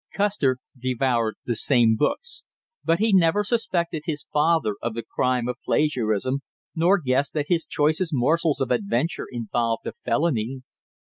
Custer devoured the same books; but he never suspected his father of the crime of plagiarism, nor guessed that his choicest morsels of adventure involved a felony.